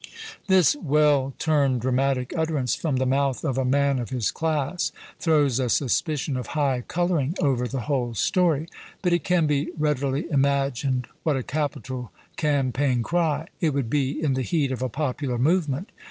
This well turned dramatic utterance from the mouth of a man of his class throws a suspicion of high coloring over the whole story; but it can be readily imagined what a capital campaign cry it would be in the heat of a popular movement.